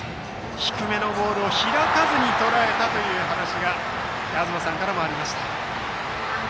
低めのボールを開かずにとらえたという話が東さんからもありました。